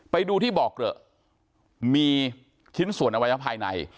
ไปดูที่บอกเกลอะมีชิ้นส่วนอวัยวะภายใน